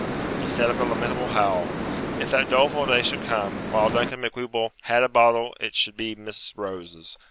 He set up a lamentable howl. 'If that doleful day should come, while Duncan Macwheeble had a boddle it should be Miss Rose's.